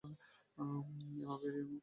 এমা মেরির কোন প্রেমিকের কথা জানতেন না।